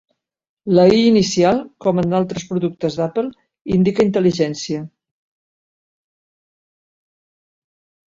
La i inicial, com en altres productes d'Apple, indica intel·ligència.